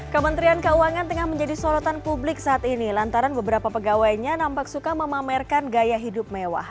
kementerian keuangan tengah menjadi sorotan publik saat ini lantaran beberapa pegawainya nampak suka memamerkan gaya hidup mewah